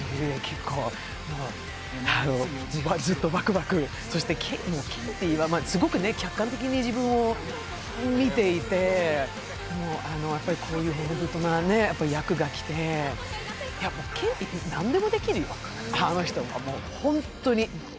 ずっとバクバク、そしてケンティーがすごく客観的に自分を見ていてこういう骨太な役が来てケンティーって何でもできるよ、あの人は、ホントに。